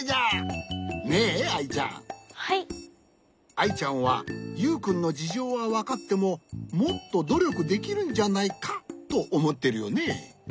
アイちゃんはユウくんのじじょうはわかってももっとどりょくできるんじゃないかとおもってるよね。